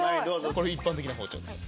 これ一般的な包丁です